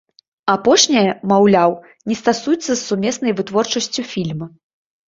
Апошняе, маўляў, не стасуецца з сумеснай вытворчасцю фільма.